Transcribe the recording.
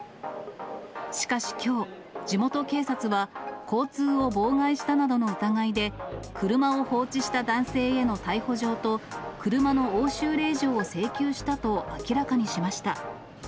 しかしきょう、地元警察は、交通を妨害したなどの疑いで、車を放置した男性への逮捕状と、車の押収令状を請求したと明らかにしました。